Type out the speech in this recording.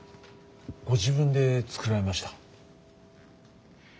ご自分で作られました。